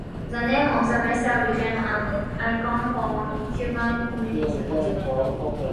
The name of the vessel became an icon for Cuban communism.